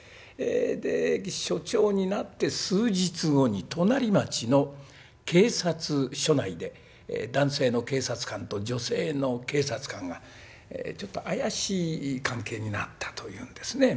署長になって数日後に隣町の警察署内で男性の警察官と女性の警察官がちょっと怪しい関係になったというんですね。